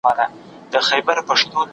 زما د ژوند له درده ډکه د غمونو کيسه